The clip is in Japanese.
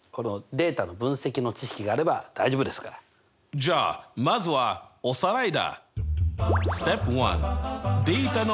じゃあまずはおさらいだ！